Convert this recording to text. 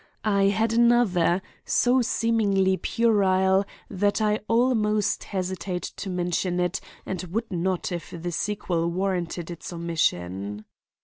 I had another, so seemingly puerile, that I almost hesitate to mention it and would not if the sequel warranted its omission.